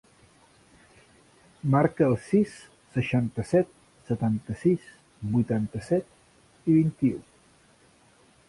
Marca el sis, seixanta-set, setanta-sis, vuitanta-set, vint-i-u.